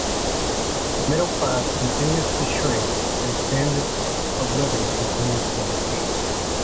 The middle class continues to shrink and standard of living continues to decrease.